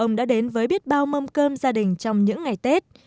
ông đã đến với biết bao mâm cơm gia đình trong những ngày tết